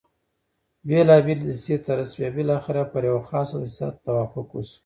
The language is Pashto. بېلابېلې دسیسې طرح شوې او بالاخره پر یوه خاصه دسیسه توافق وشو.